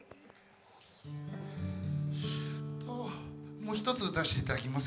もう一つ歌わせていただきます。